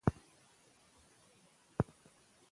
د ټولنیزې وصلۍ خلک خوشحاله ژوند کوي.